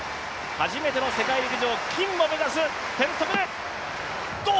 初めての世界陸上、金を目指す、テントグル。